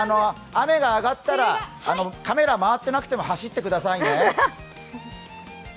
雨が上がったらカメラ回ってなくても走ってくださいね。